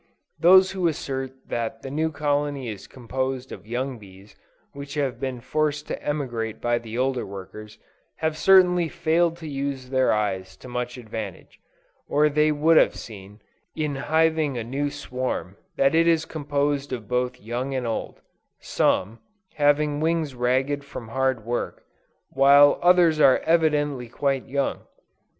Those who assert that the new colony is composed of young bees which have been forced to emigrate by the older ones, have certainly failed to use their eyes to much advantage, or they would have seen, in hiving a new swarm, that it is composed of both young and old; some, having wings ragged from hard work, while others are evidently quite young.